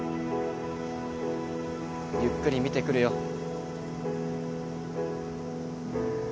ゆっくり見てくるよ。